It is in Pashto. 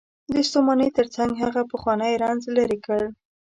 د ستومانۍ تر څنګ هغه پخوانی رنځ لرې کړ.